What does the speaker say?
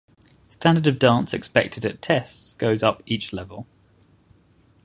Standard of dance expected at tests goes up at each level.